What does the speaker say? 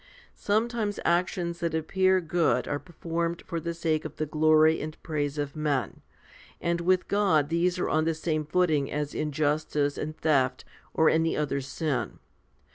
Sometimes actions that appear good are per formed for the sake of the glory and praise of men ; and with God these are on the same footing as injustice and theft or any other sin.